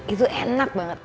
itu enak banget